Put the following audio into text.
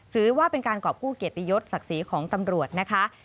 ถือว่าเป็นการกรอบกู้เกียรติยศศักดิ์ศรีของตำรวจนะคะ